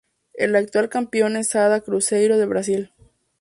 El actual campeón es Sada Cruzeiro de Brasil.